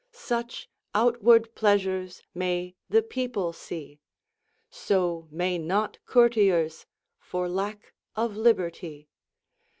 Suche outwarde pleasoures may the people see, So may not courtiers for lacke of libertie.